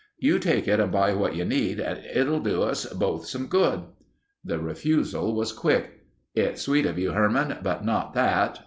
You take it and buy what you need and it'll do us both some good." The refusal was quick. "It's sweet of you Herman, but not that.